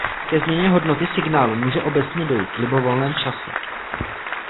Ke změně hodnoty signálu může obecně dojít v libovolném čase.